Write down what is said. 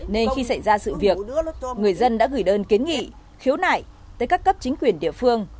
nên khi xảy ra sự việc người dân đã gửi đơn kiến nghị khiếu nại tới các cấp chính quyền địa phương